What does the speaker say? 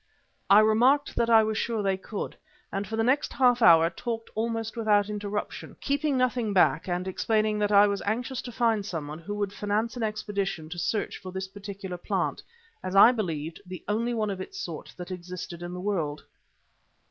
I remarked that I was sure they could, and for the next half hour talked almost without interruption, keeping nothing back and explaining that I was anxious to find someone who would finance an expedition to search for this particular plant; as I believed, the only one of its sort that existed in the world.